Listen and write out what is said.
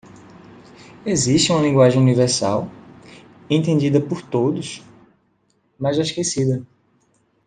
Existe uma linguagem universal? entendida por todos? mas já esquecida.